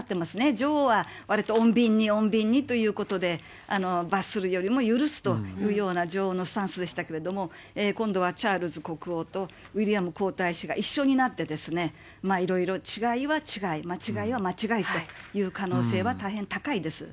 女王はわりと穏便に穏便にということ、罰するよりも許すというような女王のスタンスでしたけれども、今度はチャールズ国王とウィリアム皇太子が一緒になってですね、いろいろ違いは違い、間違いは間違いという可能性は大変高いです。